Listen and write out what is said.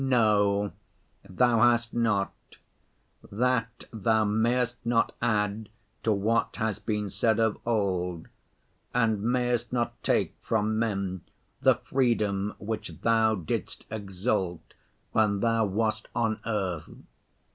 'No, Thou hast not; that Thou mayest not add to what has been said of old, and mayest not take from men the freedom which Thou didst exalt when Thou wast on earth.